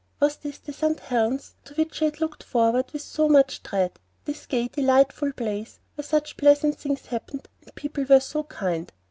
Was this the St. Helen's to which she had looked forward with so much dread, this gay, delightful place, where such pleasant things happened, and people were so kind?